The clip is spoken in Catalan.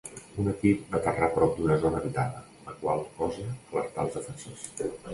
Un equip va aterrar prop d'una zona habitada, la qual cosa alertà als defensors.